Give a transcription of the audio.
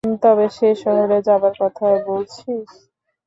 তবে যে শহরে যাবার কথা বলছিস?